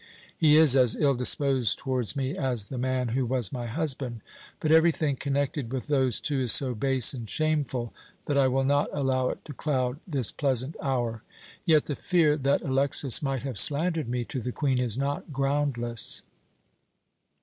He is as ill disposed towards me as the man who was my husband. But everything connected with those two is so base and shameful that I will not allow it to cloud this pleasant hour. Yet the fear that Alexas might have slandered me to the Queen is not groundless.